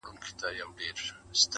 بحثونه بيا تازه کيږي ناڅاپه ډېر,